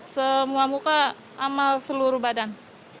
semua muka amal seluruh badan